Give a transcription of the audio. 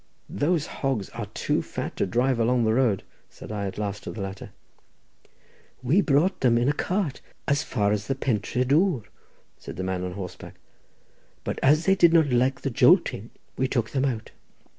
"Those hogs are too fat to drive along the road," said I at last to the latter. "We brought them in a cart as far as the Pentré Dwr," said the man on horseback, "but as they did not like the jolting we took them out."